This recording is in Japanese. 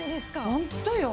ホントよ。